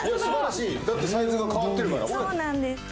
だってサイズが変わってるからそうなんです